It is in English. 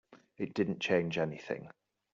It didn't change anything.